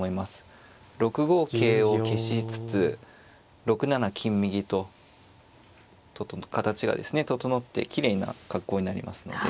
６五桂を消しつつ６七金右と形がですね整ってきれいな格好になりますので。